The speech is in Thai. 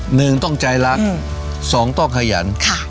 หนึ่งต้องใจรักสองต้องขยัน